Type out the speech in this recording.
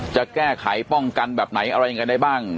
จะแก้ไขป้องกันแบบไหนอะไรยังไงได้บ้าง